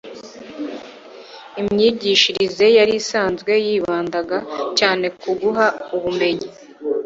Imyigishirize yari isanzwe yibandaga cyane ku kuguha ubumenyi